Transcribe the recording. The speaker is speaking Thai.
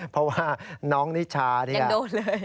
เพราะว่าน้องนิชาเนี่ยโดนเลย